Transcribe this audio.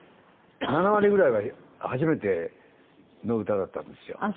７割ぐらいは初めての歌だったんですよ。